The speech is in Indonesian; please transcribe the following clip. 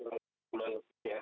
di sekitar awal september